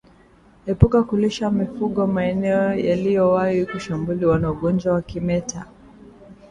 Epuka kulisha mifugo maeneo yaliyowahi kushambuliwa na ugonjwa wa kimeta